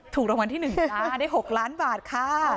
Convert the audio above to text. ถูกรางวัลที่๑ค่ะได้๖ล้านบาทค่ะ